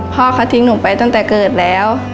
พ่อเขาทิ้งหนูไปตั้งแต่เกิดแล้ว